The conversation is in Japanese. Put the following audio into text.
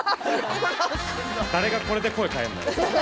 誰がこれで声変えんの。